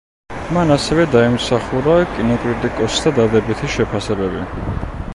მან ასევე დაიმსახურა კინოკრიტიკოსთა დადებითი შეფასებები.